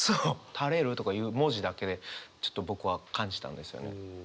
「垂れる」とかいう文字だけでちょっと僕は感じたんですよね。